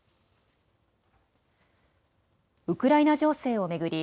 ウクライナ情勢を巡り